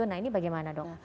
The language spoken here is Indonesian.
nah ini bagaimana dok